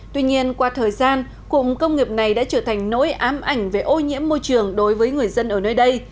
tuy nhiên qua thời gian cụm công nghiệp này đã trở thành nỗi ám ảnh về ô nhiễm môi trường đối với người dân ở nơi đây